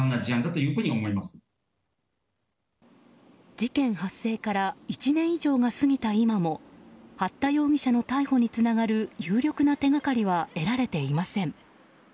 事件発生から１年以上が過ぎた今も八田容疑者の逮捕につながる有力な手掛かりは得られていません。